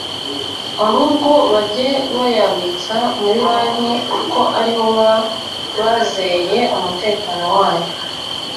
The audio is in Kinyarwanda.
ahubwo bajye bayabitsa muri banki kuko ariho baba bazeye umutekano wayo